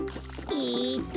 えっと